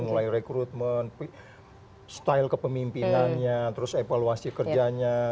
mulai rekrutmen style kepemimpinannya terus evaluasi kerjanya